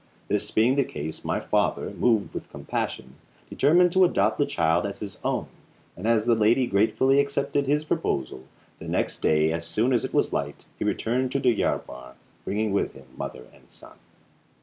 This being the case my father, moved with compassion, determined to adopt the child as his own; and as the lady gratefully accepted his proposal, the next day as soon as it was light he returned to Deryabar bringing with him mother and son.